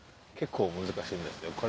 結構難しいんですよ。